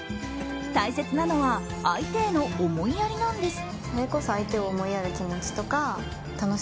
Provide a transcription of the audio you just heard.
大切なのは相手への思いやりなんです。